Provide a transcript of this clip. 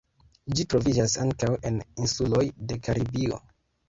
Ĝi troviĝas ankaŭ en insuloj de Karibio.